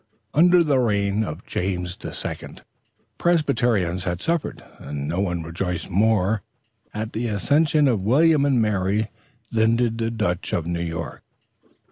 Under the reign of James II. the Presbyterians had suffered, and no one rejoiced more at the accession of William and Mary than did the Dutch of New York.